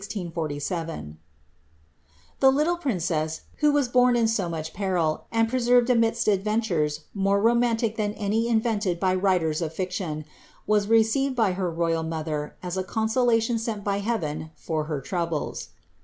« The little princess, who iivas born in so much peril, and preserved amidst adventures more romantic than any invented by writers of fictioo, was received by her royal mother as a consolation sent by Heaven for her troubles.